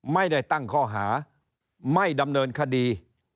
ไม่ได้ตั้งข้อหาไม่ดำเนินคดี